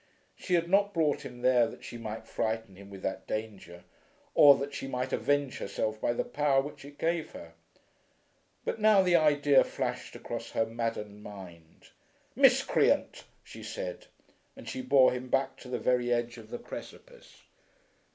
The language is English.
She had not brought him there that she might frighten him with that danger, or that she might avenge herself by the power which it gave her. But now the idea flashed across her maddened mind. "Miscreant," she said. And she bore him back to the very edge of the precipice.